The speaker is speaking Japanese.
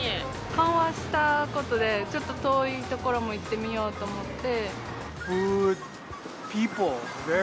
緩和したことで、ちょっと遠い所も行ってみようと思って。